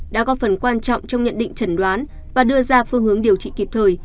đã có phần quan trọng trong nhận định trần đoán và đưa ra phương hướng điều trị kịp thời